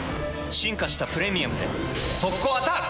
進化した「プレミアム」で速攻アタック！